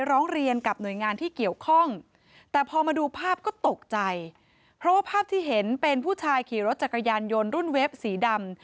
เพราะว่าภาพที่เห็นเป็นผู้ชายขี่รถจักรยานยนต์รุ่นเว็บสีดำ